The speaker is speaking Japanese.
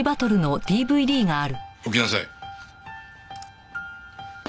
起きなさい。